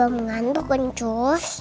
aku belum ngantuk ncus